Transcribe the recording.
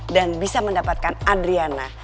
dan bisa mendapatkan adriana